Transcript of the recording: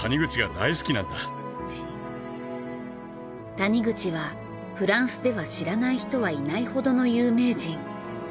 谷口はフランスでは知らない人はいないほどの有名人。